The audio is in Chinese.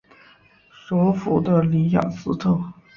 首府的里雅斯特。